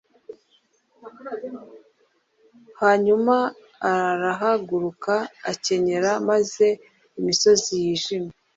Hanyuma arahaguruka akenyera maze imisozi yijimye